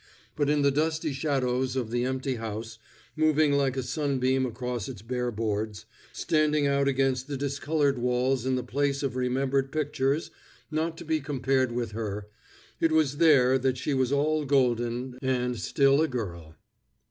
But in the dusty shadows of the empty house, moving like a sunbeam across its bare boards, standing out against the discolored walls in the place of remembered pictures not to be compared with her, it was there that she was all golden and still a girl.